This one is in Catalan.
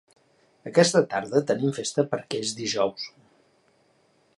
Aquesta tarda tenim festa perquè és dijous.